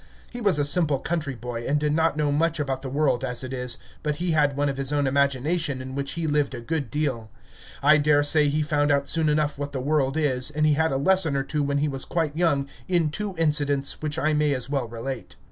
He was a simple country boy, and did not know much about the world as it is, but he had one of his own imagination, in which he lived a good deal. I daresay he found out soon enough what the world is, and he had a lesson or two when he was quite young, in two incidents, which I may as well relate.